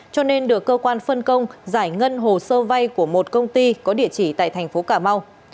cho nên được cơ quan phân công giải ngân hồ sơ vay của một công ty có địa chỉ tại thành phố cà mau